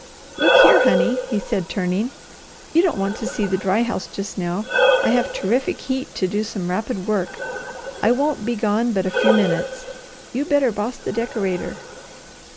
"Look here, honey," he said turning, "you don't want to see the dry house just now. I have terrific heat to do some rapid work. I won't be gone but a few minutes. You better boss the decorator.